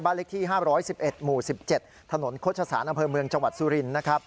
บ้านเล็กที่๕๑๑หมู่๑๗ถนนโคชศาสนาเผลอเมืองจังหวัดสุรินทร์